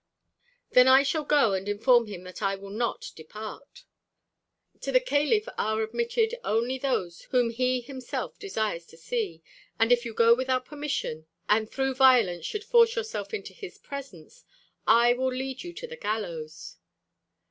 "Then I shall go and inform him that I will not depart." "To the caliph are admitted only those whom he himself desires to see. And if you without permission, and through violence, should force yourself into his presence, I will lead you to the gallows."